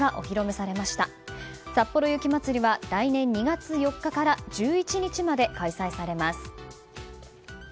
さっぽろ雪まつりは来年２月４日から１１日まで開催されます。